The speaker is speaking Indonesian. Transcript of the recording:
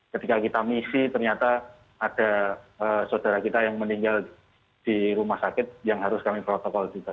ketika kita misi ternyata ada saudara kita yang meninggal di rumah sakit yang harus kami protokol juga